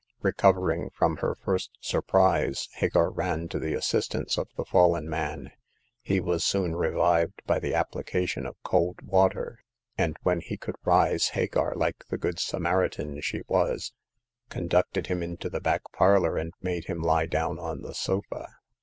Recovering from her first surprise, Hagar ran to the assistance of the fallen man. He was soon revived by the application of cold water, and when he could rise Hagar, like the Good Samari tan she was, conducted him into the back parlor and made him lie down on the sofa.